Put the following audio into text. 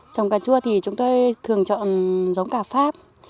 trồng cà chua thì chúng tôi thường chọn giống cà pháp